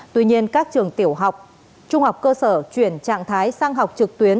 tuy nhiên các trường tiểu học trung học cơ sở chuyển trạng thái sang học trực tuyến